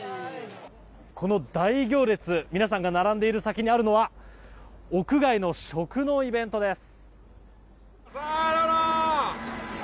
この大行列、皆さんが並んでいる先にあるのは屋外の食のイベントです。